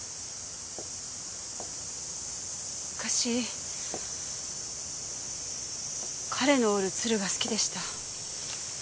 昔彼の折る鶴が好きでした。